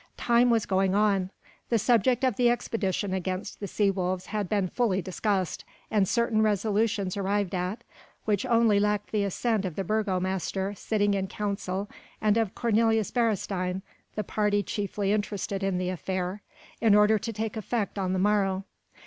Time was going on: the subject of the expedition against the sea wolves had been fully discussed and certain resolutions arrived at, which only lacked the assent of the burgomaster sitting in council and of Cornelius Beresteyn the party chiefly interested in the affair in order to take effect on the morrow.